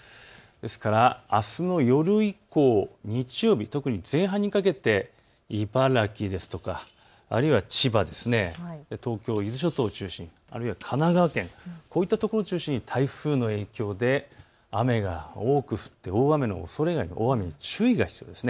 ですから、あすの夜以降、日曜日特に前半にかけて茨城ですとかあるいは千葉、東京、伊豆諸島を中心に、あるいは神奈川県、こういったところを中心に台風の影響で雨が多く降って大雨に注意が必要です。